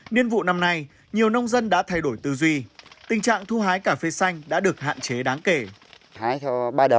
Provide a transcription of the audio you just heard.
niên vụ thu hái cà phê chưa chín rộ